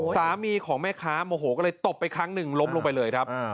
สามีของแม่ค้าโมโหก็เลยตบไปครั้งหนึ่งล้มลงไปเลยครับ